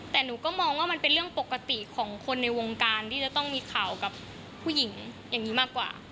แต่หนูก็มองว่ามันเป็นเรื่องปกติของคนในวงการที่จะต้องมีข่าวกับผู้หญิงอย่างนี้มากกว่า